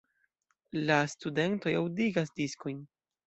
La studentoj aŭdigas diskojn.